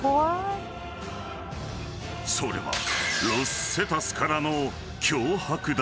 ［それはロス・セタスからの］